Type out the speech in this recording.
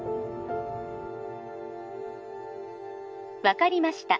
分かりました